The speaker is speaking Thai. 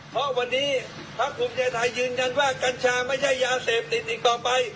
เพราะวันนี้พักภูมิใจไทยยืนยันว่ากัญชาไม่ใช่ยาเสพติดอีกต่อไป